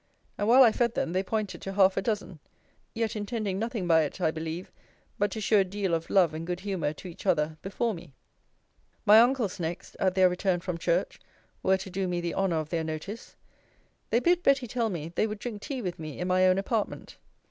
And while I fed them, they pointed to half a dozen: yet intending nothing by it, I believe, but to shew a deal of love and good humour to each other before me. My uncles next, (at their return from church) were to do me the honour of their notice. They bid Betty tell me, they would drink tea with me in my own apartment.